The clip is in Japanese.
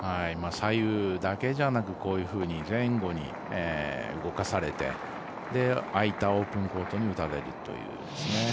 左右だけじゃなくてこういうふうに前後に動かされて空いたオープンコートに打たれるという。